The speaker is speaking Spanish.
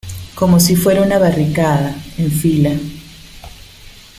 como si fuera una barricada, en fila.